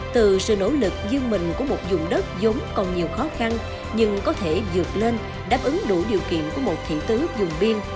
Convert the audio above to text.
từ sự nỗ lực dương mình của một dùng đất giống còn nhiều khó khăn nhưng có thể dược lên đáp ứng đủ điều kiện của một thị tứ dùng biên